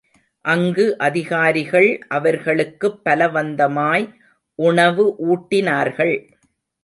அங்கு அதிகாரிகள் அவர்களுக்குப் பலவந்தமாய் உணவு ஊட்டினார்கள்.